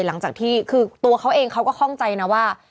หลังจากที่คือตัวเขาเองเขาก็คล่องใจนะว่า